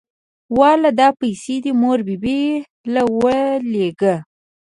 واله دا پيسې دې مور بي بي له ولېګه.